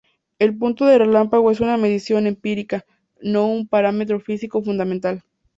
El punto de relámpago es una medición empírica, no un parámetro físico fundamental.